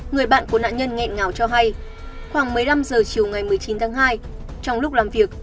người bạn của nạn nhân nghẹn ngào cho hay khoảng một mươi năm h chiều ngày một mươi chín tháng hai trong lúc làm việc